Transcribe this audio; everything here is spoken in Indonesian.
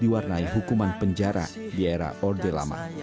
diwarnai hukuman penjara di era orde lama